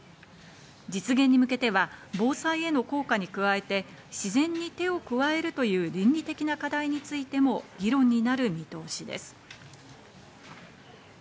実現に向けては、防災への効果に加えて、自然に手を加えるという倫理的な課題についても議論になる見通しです。